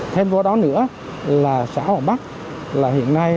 thêm vào đó nữa là xã hòa bắc là hiện nay